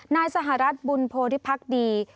นายสหรัฐบุญโพธิพักดี